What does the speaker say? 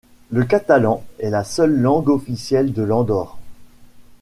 Le catalan est la seule langue officielle de l'Andorre.